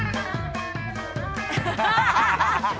ハハハハ！